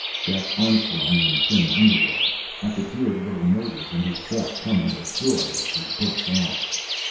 Jack Armstrong in tin underwear. I could hear the little motors in his guts humming with joy as he booked Alex.